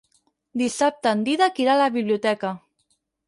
Dissabte en Dídac irà a la biblioteca.